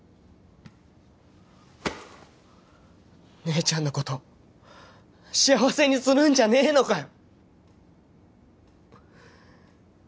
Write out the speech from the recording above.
姉ちゃんのこと幸せにするんじゃねえのかよ